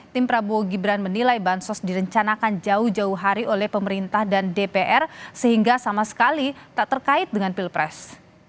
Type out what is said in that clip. tim prabowo gibran menilai bansos direncanakan jauh jauh hari oleh pemerintah dan dpr sehingga sama sekali tak terkait dengan pilpres